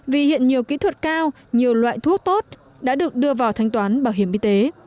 vì hiện nhiều kỹ thuật cao nhiều loại thuốc tốt đã được đưa vào thanh toán bảo hiểm y tế